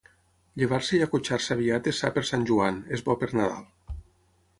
Llevar-se i acotxar-se aviat és sa per Sant Joan, és bo per Nadal.